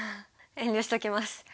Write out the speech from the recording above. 遠慮しときます。